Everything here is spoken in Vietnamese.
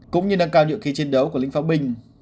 cũng như nâng cao nhựa khi chiến đấu của lính pháo binh